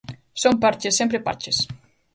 Son parches, sempre parches.